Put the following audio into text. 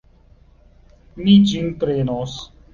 Mi ĝin prenos.